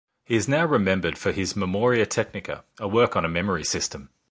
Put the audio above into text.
He is now remembered for his "Memoria Technica", a work on a memory system.